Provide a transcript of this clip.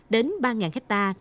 đến ba hectare